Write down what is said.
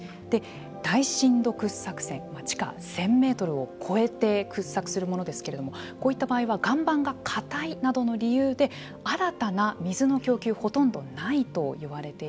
大深度掘削泉地下１，０００メートルを超えて掘削するものですけれどもこういった場合は岩盤が固いなどの理由で新たな水の供給ほとんどないといわれているんです。